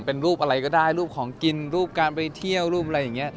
เป็นรูปอะไรก็ได้รูปของกินรูปการไปเที่ยวรูปอะไรอย่างนี้